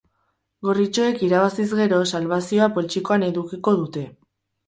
Gorritxoek irabaziz gero, salbazioa poltsikoan edukiko dute.